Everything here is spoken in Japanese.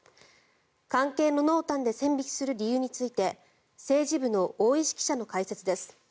関係の濃淡で線引きする理由について政治部の大石記者の解説です。